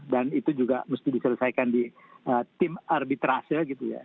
dan itu juga mesti diselesaikan di tim arbitrase gitu ya